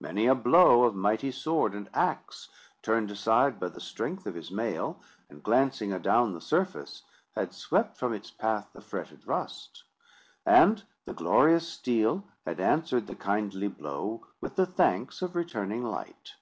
Many a blow of mighty sword and axe, turned aside by the strength of his mail, and glancing adown the surface, had swept from its path the fretted rust, and the glorious steel had answered the kindly blow with the thanks of returning light.